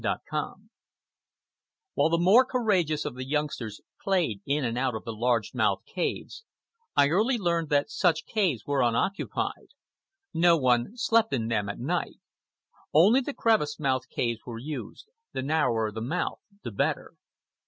CHAPTER VI While the more courageous of the youngsters played in and out of the large mouthed caves, I early learned that such caves were unoccupied. No one slept in them at night. Only the crevice mouthed caves were used, the narrower the mouth the better.